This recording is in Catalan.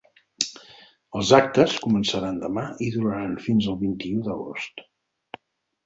Els actes començaran demà i duraran fins el vint-i-u d’agost.